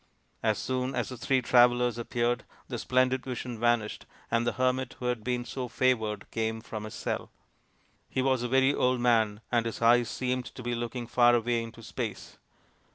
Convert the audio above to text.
As soon as the three travellers appeared the splendid vision vanished, and the hermit who had been so favoured came from his cell. He was a very old man, and his eyes seemed to be looking far away into space.